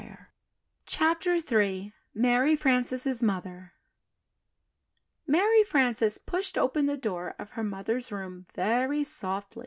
"] CHAPTER III MARY FRANCES' MOTHER MARY FRANCES pushed open the door of her mother's room very softly.